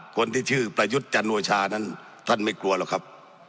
คนที่ชื่อประยุทธ์จันโอชานั้นท่านไม่กลัวหรอกครับ